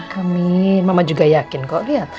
kami mama juga yakin kok lihat